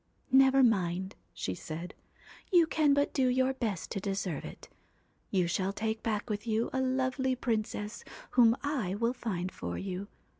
' Never mind,' she said, ' you can but do your best to deserve it. You shall take back with you a lovely princess whom I will find for you.